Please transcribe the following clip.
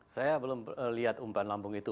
saya belum lihat umpan lambung itu